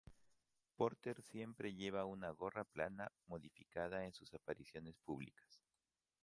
Porter siempre lleva una gorra plana modificada en sus apariciones públicas.